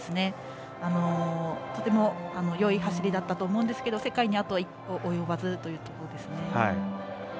とてもよい走りだったと思うんですが世界にあと一歩及ばずというところですね。